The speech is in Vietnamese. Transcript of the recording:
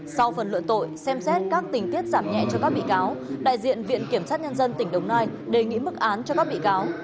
sau phần luận tội xem xét các tình tiết giảm nhẹ cho các bị cáo đại diện viện kiểm sát nhân dân tỉnh đồng nai đề nghị mức án cho các bị cáo